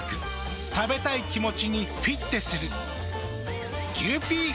食べたい気持ちにフィッテする。